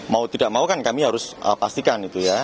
mau tidak mau kan kami harus pastikan itu ya